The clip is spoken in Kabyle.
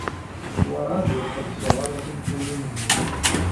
Werɛad ur xellṣeɣ ara tinfulin-nni.